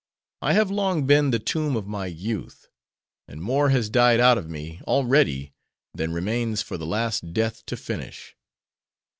I have long been the tomb of my youth. And more has died out of me, already, than remains for the last death to finish.